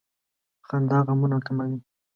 • خندا غمونه کموي.